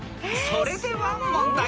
［それでは問題］